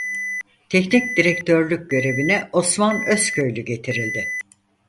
Teknik direktörlük görevine Osman Özköylü getirildi.